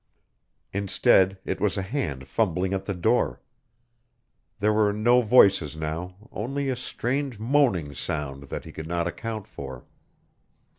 Instead it was a hand fumbling at the door. There were no voices now, only a strange moaning sound that he could not account for.